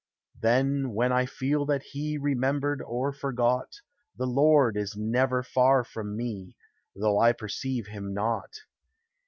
Then, then I feel that he, Remembered or forgot, The Lord, is never far from me, Though I perceive him not.